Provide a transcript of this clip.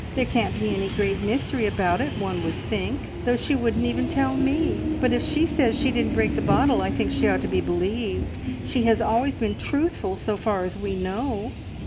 There can't be any great mystery about it, one would think, though she wouldn't tell even me; but if she says she didn't break the bottle, I think she ought to be believed. She has always been truthful, so far as we know."